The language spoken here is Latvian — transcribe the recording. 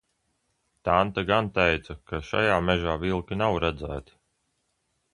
Tante gan teica, ka šajā mežā vilki nav redzēti.